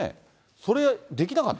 それ、できなかった？